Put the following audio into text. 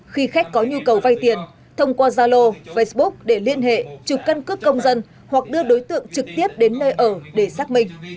khi khách có nhu cầu vay tiền thông qua zalo facebook để liên hệ chụp căn cước công dân hoặc đưa đối tượng trực tiếp đến nơi ở để xác minh